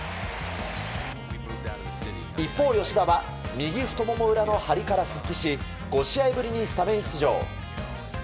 一方、吉田は右太もも裏の張りから復帰し５試合ぶりにスタメン出場。